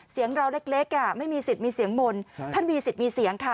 เสียงเราเล็กไม่มีสิทธิ์มีเสียงมนต์ท่านมีสิทธิ์มีเสียงค่ะ